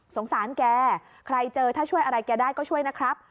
แกใครเจอถ้าช่วยอะไรแกได้ก็ช่วยนะครับ